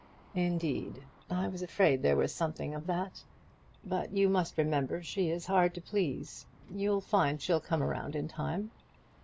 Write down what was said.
"Indeed. I was afraid there was something of that. But you must remember she is hard to please. You'll find she'll come round in time."